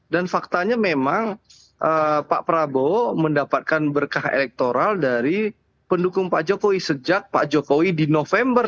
dan faktanya memang pak prabowo mendapatkan berkah elektoral dari pendukung pak jokowi sejak pak jokowi di november dua ribu dua puluh dua